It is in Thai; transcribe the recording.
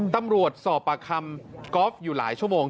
ตำรวจสอบปากคำกอล์ฟอยู่หลายชั่วโมง